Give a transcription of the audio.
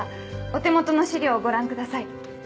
お手元の資料をご覧ください。